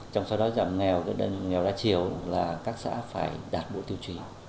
trong số đó giảm nghèo đa chiều là các xã phải đạt bộ tiêu chí